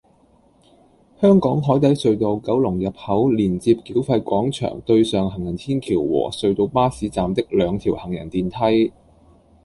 香港海底隧道九龍入口連接繳費廣場對上行人天橋和隧道巴士站的兩條行人電梯